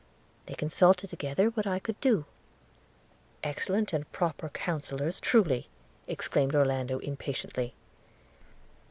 They consulted together what I could do. ..' 'Excellent and proper counsellors truly!' exclaimed Orlando impatiently.